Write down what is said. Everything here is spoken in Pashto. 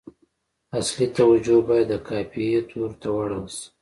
اصلي توجه باید د قافیې تورو ته واړول شي.